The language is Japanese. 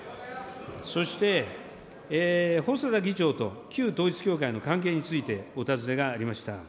そして、細田議長と旧統一教会の関係について、お尋ねがありました。